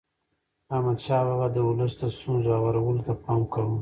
احمدشاه بابا د ولس د ستونزو هوارولو ته پام کاوه.